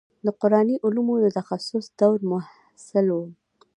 د قراني علومو د تخصص دورې محصل وم.